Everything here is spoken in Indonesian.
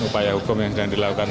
upaya hukum yang sedang dilakukan